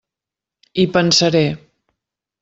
Hi pensaré.